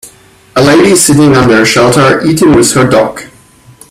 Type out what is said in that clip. a lady sitting under a shelter, eating with her dog.